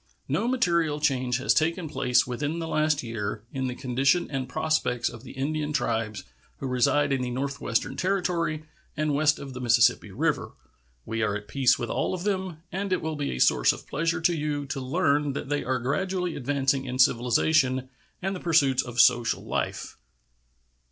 No material change has taken place within the last year in the condition and prospects of the Indian tribes who reside in the Northwestern Territory and west of the Mississippi River. We are at peace with all of them, and it will be a source of pleasure to you to learn that they are gradually advancing in civilization and the pursuits of social life.